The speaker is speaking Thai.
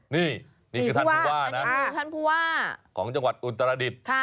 นี่นี่คือท่านผู้ว่าของจังหวัดอุตรดิษฐ์